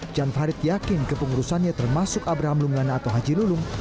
jan farid yakin kepengurusannya termasuk abraham lunggana atau haji lulung